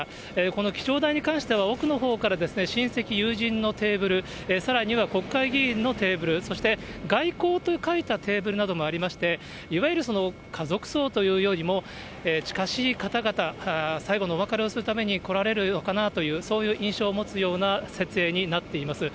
この記帳台に関しては、奥のほうから親戚、友人のテーブル、さらには国会議員のテーブル、そして外交と書いたテーブルなどもありまして、いわゆる家族葬というよりも、近しい方々、最期のお別れをするために、来られるのかなという、そういう印象を持つような設営になっています。